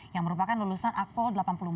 yang merupakan lulusan akpol delapan puluh empat